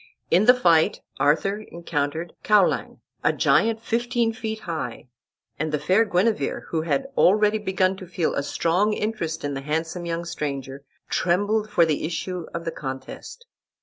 In the fight Arthur encountered Caulang, a giant fifteen feet high, and the fair Guenever, who had already began to feel a strong interest in the handsome young stranger, trembled for the issue of the contest.